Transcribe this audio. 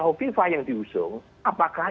hoviva yang diusung apakah